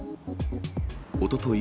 おととい